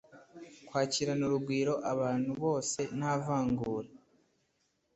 kwakirana urugwiro abantu bose nta vangura